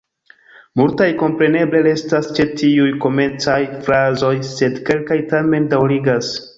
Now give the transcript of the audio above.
Multaj kompreneble restas ĉe tiuj komencaj frazoj, sed kelkaj tamen daŭrigas.